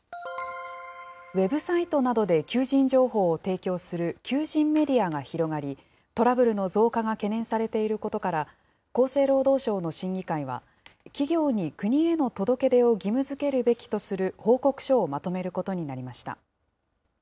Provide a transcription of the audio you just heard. ウェブサイトなどで求人情報を提供する求人メディアが広がり、トラブルの増加が懸念されていることから、厚生労働省の審議会は、企業に国への届け出を義務づけるべきとする報告書をまとめることになりました。